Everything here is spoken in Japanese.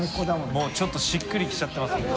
もうちょっとしっくりきちゃってますもんね。